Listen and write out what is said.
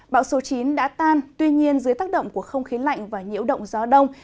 bão số chín đã tan tuy nhiên dưới tác động của không khí lạnh và nhiễu động gió đông